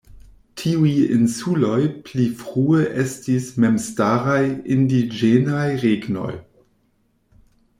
Tiuj insuloj pli frue estis memstaraj indiĝenaj regnoj.